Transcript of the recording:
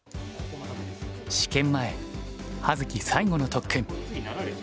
試験前葉月最後の特訓。